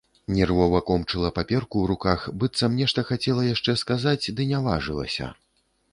Нервова комчыла паперку ў руках, быццам нешта хацела яшчэ сказаць, ды не важылася.